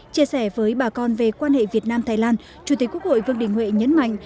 chia sẻ với bà con về quan hệ việt nam thái lan chủ tịch quốc hội vương đình huệ nhấn mạnh